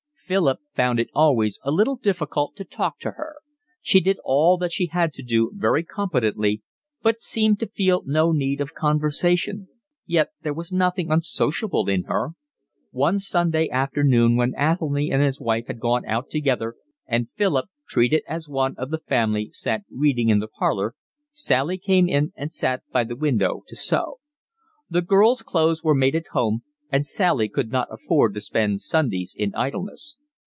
Philip found it always a little difficult to talk to her. She did all that she had to do very competently, but seemed to feel no need of conversation; yet there was nothing unsociable in her. One Sunday afternoon when Athelny and his wife had gone out together, and Philip, treated as one of the family, sat reading in the parlour, Sally came in and sat by the window to sew. The girls' clothes were made at home and Sally could not afford to spend Sundays in idleness.